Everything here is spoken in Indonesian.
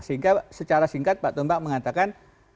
sehingga secara singkat pak tombak mengatakan